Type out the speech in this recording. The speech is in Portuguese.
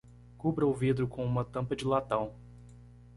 Cubra o vidro com uma tampa de latão.